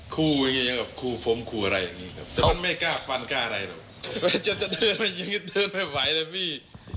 คู่อย่างงี้อย่างกับคู่ผมคู่อะไรอย่างงี้ครับแต่มันไม่กล้าฟันกล้าอะไรหรอกมันจะจะเดินอย่างงี้เดินไม่ไหวเลยพี่